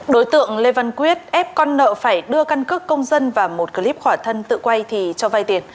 đối tượng lê văn quyết ép con nợ phải đưa căn cước công dân và một clip khỏa thân tự quay thì cho vay tiền